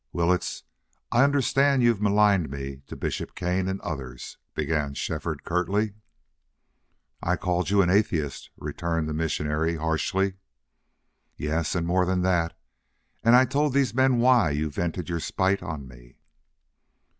"Willetts, I understand you've maligned me to Bishop Kane and others," began Shefford, curtly. "I called you an atheist," returned the missionary, harshly. "Yes, and more than that. And I told these men WHY you vented your spite on me."